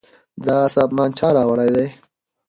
دا سامان چا راوړی دی؟